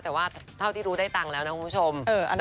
แต่ว่าเท่าที่รู้ได้ตังค์แล้วนะคุณผู้ชม